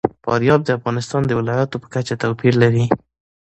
فاریاب د افغانستان د ولایاتو په کچه توپیر لري.